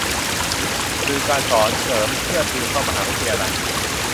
สื่อการสอนเสริมเพื่อติวเข้ามหาวิทยาลัย